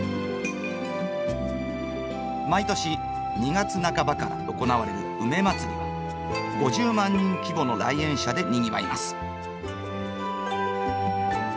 毎年２月半ばから行われる梅まつりは５０万人規模の来園者でにぎわいます。